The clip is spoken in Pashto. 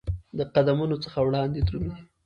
د قدمونو څخه وړاندي درومې